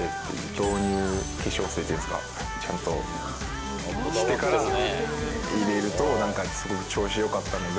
導入化粧水ですか、ちゃんとしてから入れると、なんかすごく調子よかったので。